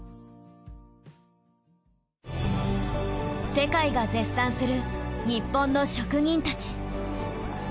世界が絶賛する日本の職人たち。